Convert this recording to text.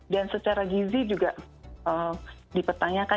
dan secara gizi juga dipertanyakan